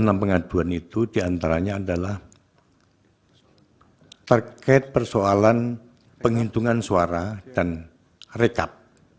ada satu ratus enam puluh enam pengaduan itu diantaranya adalah terkait persoalan penghitungan suara dan rekap